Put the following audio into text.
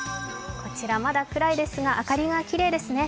こちらまだ暗いですが、明かりがきれいですね。